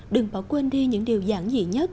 đừng bỏ quên đi những điều giản dị nhất